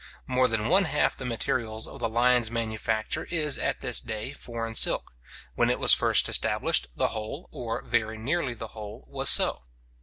More than one half the materials of the Lyons manufacture is at this day foreign silk; when it was first established, the whole, or very nearly the whole, was so.